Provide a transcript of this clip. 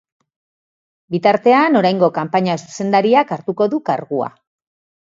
Bitartean, oraingo kanpaina zuzendariak hartuko du kargua.